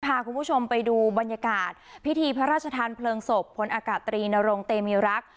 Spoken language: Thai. พาคุณผู้ชมไปดูบรรยากาศพิธีพระราชทานเพลิงศพพลอากาศตรีนรงเตมีรัก